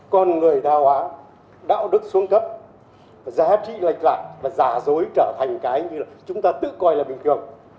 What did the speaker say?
con người tha hóa đạo đức xuống cấp giá trị lệch lạc và giả dối trở thành cái như là chúng ta tự coi là bình thường